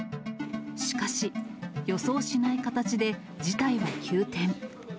しかし、予想しない形で事態は急転。